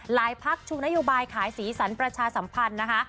พักชูนโยบายขายสีสันประชาสัมพันธ์นะคะ